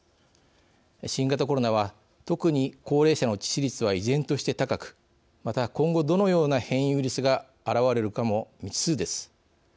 新型コロナは特に高齢者の致死率は依然として高く、また今後どのような変異ウイルスが現れるかも未知数です。